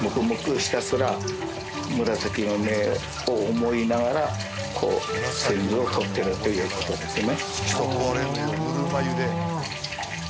ひたすら紫の根を思いながら染料をとってるということですね